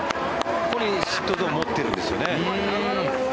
ここにヒットゾーンを持ってるんですよね。